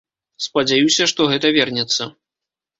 Спадзяюся, што гэта вернецца.